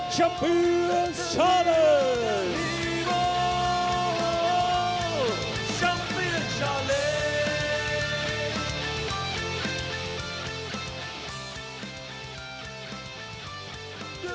จะเป็นเวลาที่สุด